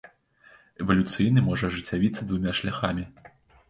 Эвалюцыйны можа ажыццявіцца двума шляхамі.